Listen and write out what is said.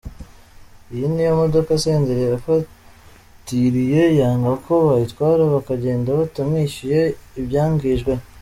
Iyi niyo modoka Senderi yafatiriye, yanga ko bayitwara bakagenda batamwishyuye ibyangijwe.